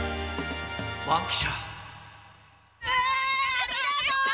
ありがとう！